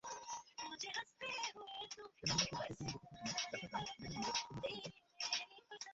সেনানিবাসে বসেই তিনি লিখেছেন হেনা, ব্যথার দান, মেহের নিগার, ঘুমের ঘোরে গল্প।